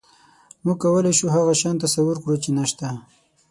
موږ کولی شو هغه شیان تصور کړو، چې نهشته.